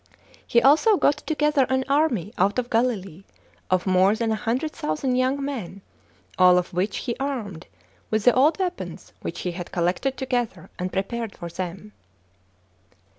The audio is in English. He also got together an army out of Galilee, of more than a hundred thousand young men, all of which he armed with the old weapons which he had collected together and prepared for them.